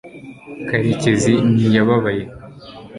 karekezi ntiyababaye